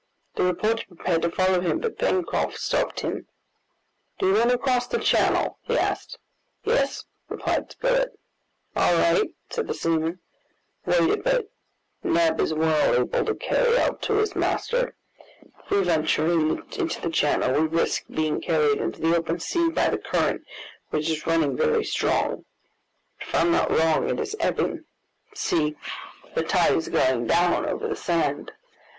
The reporter prepared to follow him, but Pencroft stopped him. "Do you want to cross the channel?" he asked. "Yes," replied Spilett. "All right!" said the seaman; "wait a bit; Neb is well able to carry help to his master. If we venture into the channel, we risk being carried into the open sea by the current, which is running very strong; but, if I'm not wrong, it is ebbing. See, the tide is going down over the sand.